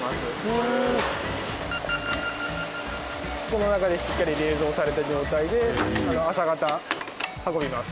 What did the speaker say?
この中でしっかり冷蔵された状態で朝方運びます。